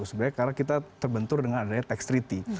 sebenarnya karena kita terbentur dengan adanya tax treaty